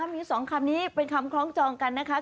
มี๒คำนี้เป็นคำคล้องจองกันนะคะ